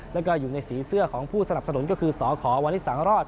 แล้วก็อยู่ในสีเสื้อของผู้สนับสนุนก็คือสขวศร